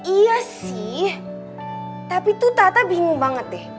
iya sih tapi tuh tata bingung banget deh